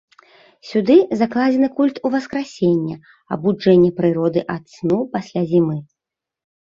Сюды закладзены культ уваскрасення, абуджэння прыроды ад сну пасля зімы.